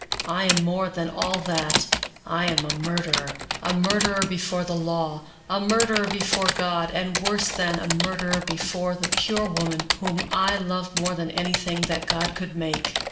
I am more than all that — I am a murderer ; a murderer before the law ; a murderer before God ; and worse than a murderer before the pure woman whom I love more than anything that God could make."